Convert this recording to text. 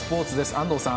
安藤さん。